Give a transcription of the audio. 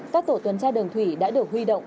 các tổ tuần tra đường thủy đã được huy động